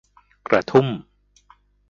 กระทุ่ม